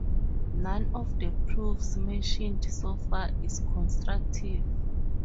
None of the proofs mentioned so far is constructive.